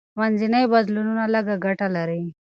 منځني بدلونونه لږه ګټه لري.